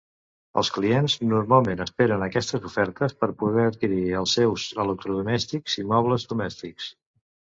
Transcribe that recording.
Els clients normalment esperen aquestes ofertes per poder adquirir els seus electrodomèstics i mobles domèstics.